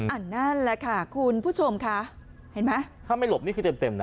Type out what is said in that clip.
อันนั่นแหละค่ะคุณผู้ชมครับถ้าไม่หลบนี่คือเต็มนะ